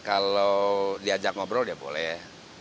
kalau diajak ngobrol ya boleh ya